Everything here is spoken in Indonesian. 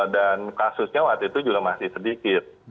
dan kasusnya waktu itu juga masih sedikit